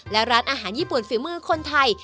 และร้านอาหารญี่ปุ่นฝีมือคนไทย